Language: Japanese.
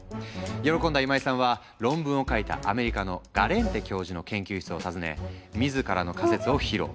喜んだ今井さんは論文を書いたアメリカのガレンテ教授の研究室を訪ね自らの仮説を披露。